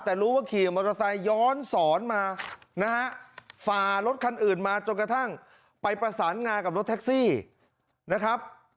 แต่รู้ว่าขี่มอเตอร์ไซค์ย้อนสอนมานะฮะฝ่ารถคันอื่นมาจนกระทั่งไปประสานงากับรถแท็กซี่นะครับ